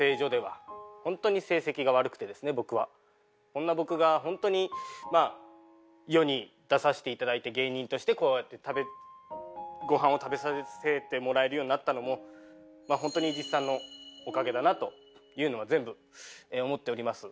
こんな僕が本当にまあ世に出させていただいて芸人としてこうやってごはんを食べさせてもらえるようになったのも本当に伊地知さんのおかげだなというのは全部思っております。